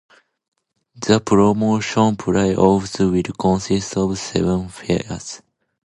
The Promotion Play–offs will consist of seven phases.